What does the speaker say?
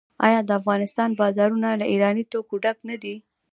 آیا د افغانستان بازارونه له ایراني توکو ډک نه دي؟